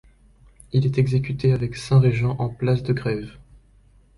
Il est exécuté avec Saint-Régeant en place de Grève.